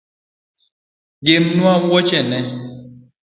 Gemna wuochena.